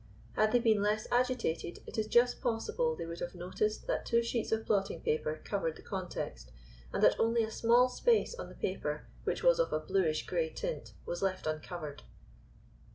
Had they been less agitated it is just possible they would have noticed that two sheets of blotting paper covered the context, and that only a small space on the paper, which was of a bluish grey tint, was left uncovered.